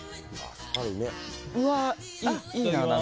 うわ、いいな！